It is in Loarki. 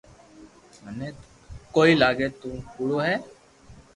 مني تو ڪوئي لاگي تو تو ڪوڙو ھي